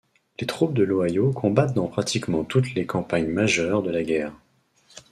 Les troupes de l'Ohio combattent dans pratiquement toutes les campagnes majeures de la guerre.